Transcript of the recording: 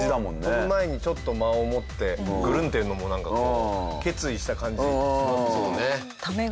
この前にちょっと間をもってぐるんっていうのもなんか決意した感じ。